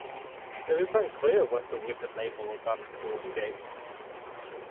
It is unclear what the weathered label above the door states.